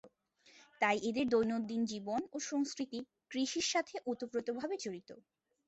তাই এদের দৈনন্দিন জীবন ও সংস্কৃতি কৃষির সাথে ওতপ্রোতভাবে জড়িত।